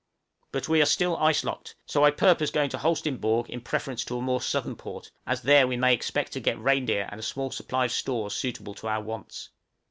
But we are still ice locked, so I purpose going to Holsteinborg in preference to a more southern port, as there we may expect to get reindeer and a small supply of stores suitable to our wants.